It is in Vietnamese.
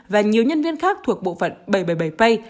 và nhiều nhân viên khác thuộc bộ phận bảy trăm bảy mươi bảy pay